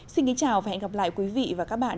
xin kính chào và hẹn gặp lại quý vị và các bạn